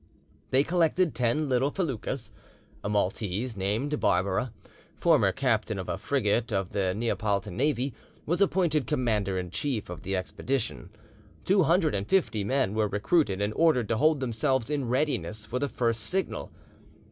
They collected ten little feluccas: a Maltese, named Barbara, former captain of a frigate of the Neapolitan navy, was appointed commander in chief of the expedition; two hundred and fifty men were recruited and ordered to hold themselves in readiness for the first signal.